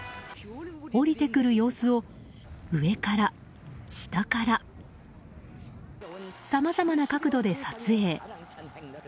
降りてくる様子を上から、下からさまざまな角度で撮影。